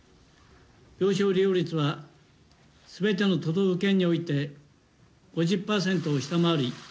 病床利用率は全ての都道府県において、５０％を下回り